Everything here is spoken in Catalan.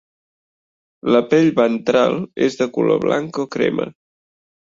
La pell ventral és de color blanc o crema.